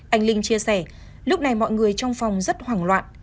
anh linh chia sẻ lúc này mọi người trong phòng rất hoảng loạn